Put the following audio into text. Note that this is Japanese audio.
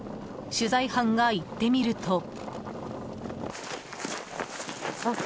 取材班が行ってみると。